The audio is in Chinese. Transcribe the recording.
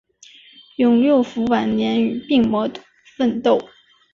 永六辅晚年与病魔奋斗。